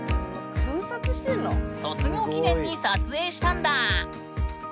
卒業記念に撮影したんだ！